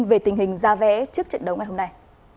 về tình hình ra vé trước trận đấu ngày hôm nay